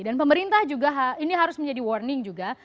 dan pemerintah juga ini harus menjadi warning juga